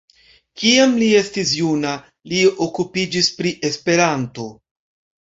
Kiam li estis juna, li okupiĝis pri Esperanto.